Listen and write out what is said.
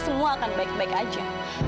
semua akan baik baik aja